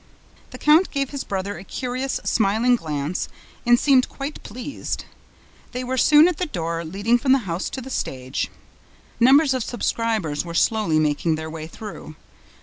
The count gave his brother a curious smiling glance and seemed quite pleased. They were soon at the door leading from the house to the stage. Numbers of subscribers were slowly making their way through.